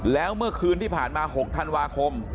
แล้วเมื่อคืนที่ผ่านมา๖ธันวาคม